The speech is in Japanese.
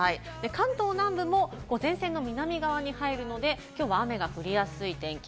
関東南部も前線の南側に入るので、きょうは雨が降りやすい天気。